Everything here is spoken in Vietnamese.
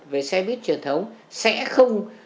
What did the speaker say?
về xe buýt truyền thống sẽ không